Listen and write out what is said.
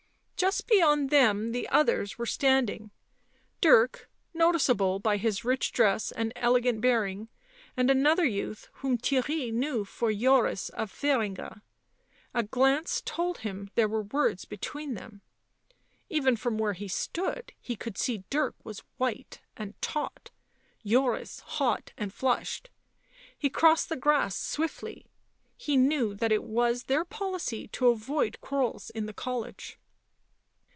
Just beyond them the others were standing; Dirk noticeable by his rich dress and elegant bearing and another youth whom Theirry knew for \ Joris of Thuringia. A glance told him there were ] words between them ; even from where he stood he ! could see Dirk was white and taut, Joris hot and flushed. He crossed the grass swiftly; he knew that it was their policy to avoid quarrels in the college.